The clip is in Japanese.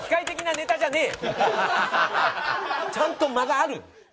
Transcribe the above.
ちゃんと間がある。